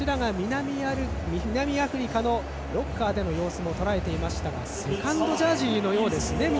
南アフリカのロッカーでの様子もとらえていましたがセカンドジャージのようですね